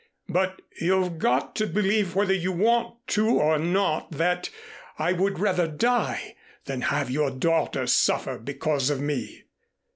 But you've got to believe whether you want to or not that I would rather die than have your daughter suffer because of me."